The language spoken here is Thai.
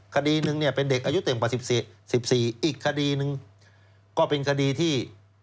กดีหนึ่งเป็นเด็กอายุเต็มกว่า๑๔อีกก็เป็นกดีที่